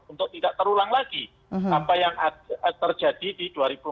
untuk tidak terulang lagi apa yang terjadi di dua ribu empat belas dua ribu sembilan belas